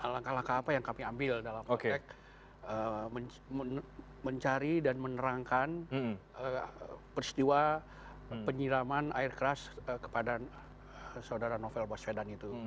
langkah langkah apa yang kami ambil dalam konteks mencari dan menerangkan peristiwa penyiraman air keras ke kepala